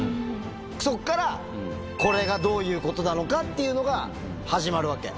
そっから、これがどういうことなのかっていうのが始まるわけ。